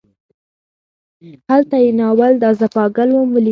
هلته یې ناول دا زه پاګل وم ولیکه.